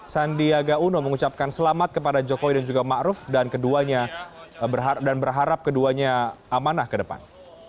sandiaga uno mengucapkan selamat kepada jokowi dan juga maruf dan berharap keduanya amanah ke depan